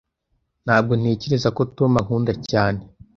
Ntabwo ntekereza ko Tom ankunda cyane.